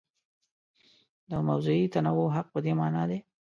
د موضوعي تنوع حق په دې مانا دی.